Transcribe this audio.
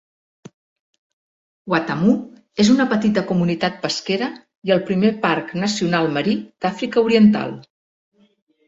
Watamu és una petita comunitat pesquera i el primer parc nacional marí d'Àfrica Oriental.